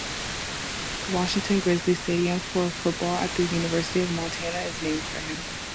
The Washington-Grizzly Stadium for football at the University of Montana is named for him.